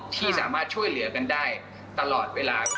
ที่สามารถช่วยเหลือกันได้ตลอดเวลา